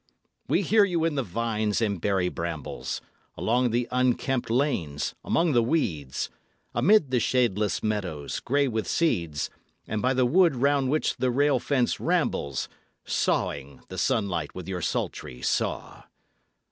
We hear you in the vines and berry brambles, Along the unkempt lanes, among the weeds, Amid the shadeless meadows, gray with seeds, And by the wood 'round which the rail fence rambles, Sawing the sunlight with your sultry saw.